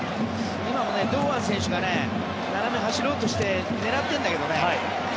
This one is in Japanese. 今も堂安選手が斜めに走ろうとして狙ってるんだけどね。